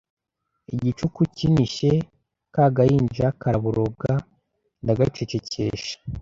Igicuku kinishye ka gahinja karaboroga ndagacecekesha